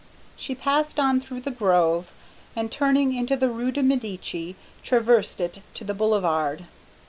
She passed on through the grove, and turning into the rue de Medici, traversed it to the Boulevard.